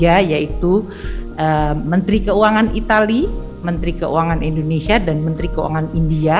ini adalah seminar yang terbuka dengan menteri keuangan italia menteri keuangan indonesia dan menteri keuangan india